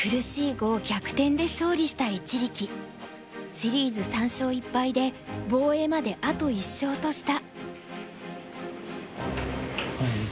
シリーズ３勝１敗で防衛まであと１勝とした。